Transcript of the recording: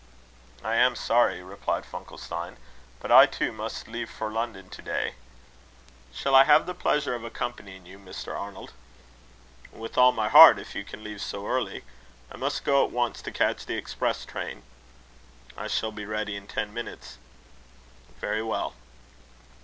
"I am sorry," replied Funkelstein; "but I too must leave for London to day. Shall I have the pleasure of accompanying you, Mr. Arnold?" "With all my heart, if you can leave so early. I must go at once to catch the express train." "I shall be ready in ten minutes." "Very well."